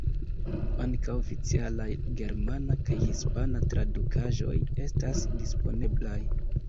Ankaŭ oficialaj germana kaj hispana tradukaĵoj estas disponeblaj.